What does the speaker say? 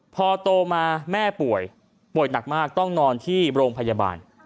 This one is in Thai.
พอโตมาแม่ป่วยป่วยหนักมากต้องนอนที่โรงพยาบาล